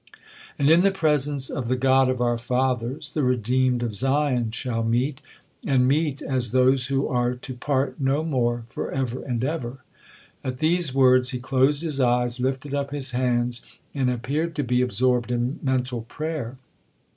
'And in the presence of the God of our fathers, the redeemed of Zion shall meet—and meet as those who are to part no more for ever and ever.' At these words, he closed his eyes, lifted up his hands, and appeared to be absorbed in mental prayer.